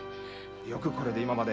よくこれで今まで。